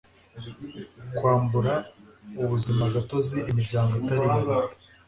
kwambura ubuzimagatozi imiryango itari iya leta